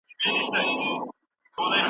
هغوی به ستونزي حل کړي وي.